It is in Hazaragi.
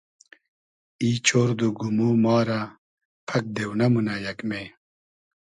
ای چۉرد و گومۉ ما رۂ پئگ دېونۂ مونۂ یئگمې